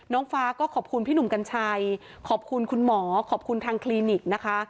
น้องฟ้าก็ขอบคุณพี่หนุ่มกัญชัยขอบคุณคุณหมอขอบคุณทางคลินิกนะคะ